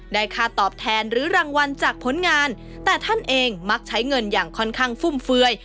ค่าตอบแทนหรือรางวัลจากผลงานแต่ท่านเองมักใช้เงินอย่างค่อนข้างฟุ่มเฟือย